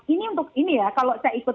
ini untuk ini ya kalau saya ikut